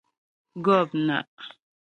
Gɔ̂pnaʼ.